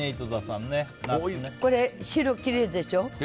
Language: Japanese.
これ白、きれいでしょ。